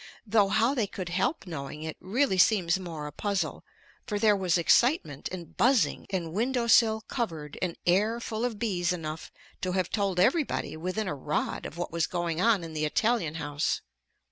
Though how they could help knowing it really seems more a puzzle, for there was excitement and buzzing and window sill covered and air full of bees enough to have told everybody within a rod of what was going on in the Italian house.